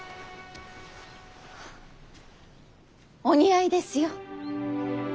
お似合いですよ。